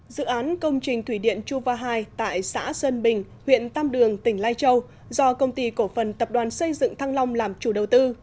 dự án công trình thủy điện chuva hai tại xã sơn bình huyện tam đường tỉnh lai châu do công ty cổ phần tập đoàn xây dựng thăng long làm chủ đầu tư